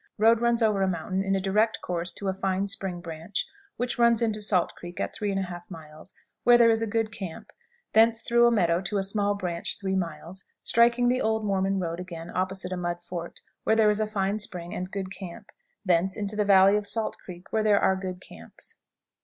Road runs over a mountain in a direct course to a fine spring branch, which runs into Salt Creek at 3 1/2 miles, where is a good camp; thence through a meadow to a small branch 3 miles, striking the old Mormon road again opposite a mud fort, where there is a fine spring and good camp; thence into the valley of Salt Creek, where there are good camps.